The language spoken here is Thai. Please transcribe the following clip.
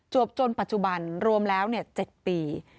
จนปัจจุบันรวมแล้ว๗ปี